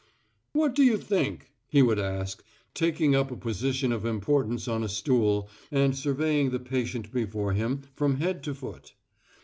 "What do you think?" he would ask, taking up a position of importance on a stool and surveying the patient before him from head to foot.